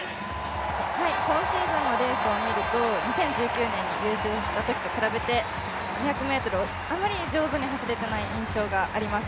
今シーズンのレースを見ると２０１９年に優勝したときと比べて２００ｍをあまり上手に走れてない印象があります。